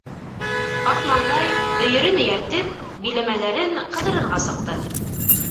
Аҡмаңлай, өйөрөн эйәртеп, биләмәләрен ҡыҙырырға сыҡты.